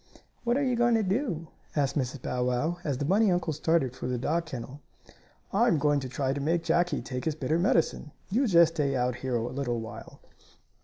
"What are you going to do?" asked Mrs. Bow Wow, as the bunny uncle started for the dog kennel. "I'm going to try to make Jackie take his bitter medicine. You just stay out here a little while."